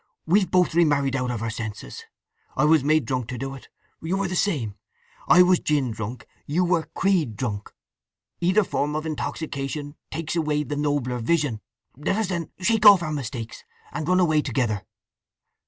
We've both remarried out of our senses. I was made drunk to do it. You were the same. I was gin drunk; you were creed drunk. Either form of intoxication takes away the nobler vision… Let us then shake off our mistakes, and run away together!"